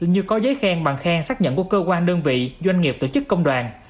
như có giấy khen bằng khen xác nhận của cơ quan đơn vị doanh nghiệp tổ chức công đoàn